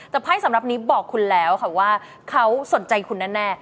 แต่ไพ่สำหรับนี้บอกคุณแล้วค่ะว่าเขาสนใจคุณแน่